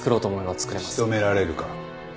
仕留められるか？